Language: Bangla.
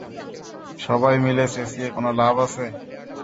সবাই মিলে চেঁচিয়ে কোন লাভ আছে?